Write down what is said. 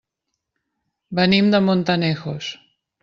Venim de Montanejos.